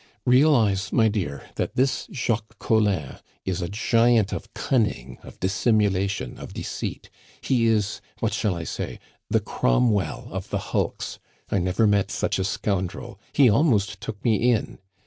"Realize, my dear, that this Jacques Collin is a giant of cunning, of dissimulation, of deceit. He is what shall I say? the Cromwell of the hulks! I never met such a scoundrel; he almost took me in.